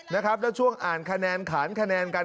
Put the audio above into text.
นะครับแล้วช่วงอ่านคะแนนขานคะแนนกัน